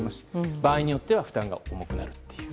場合によっては負担が重くなる。